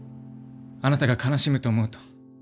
あなたが悲しむと思うと。